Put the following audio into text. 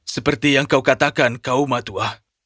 seperti yang kau katakan kau matua